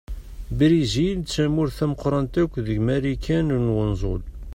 Brizil d tamurt tameqqṛant akk deg Marikan n unẓul.